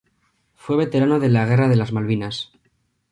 Fue Veterano de la Guerra de las Malvinas.